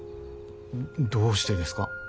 どうしてですか？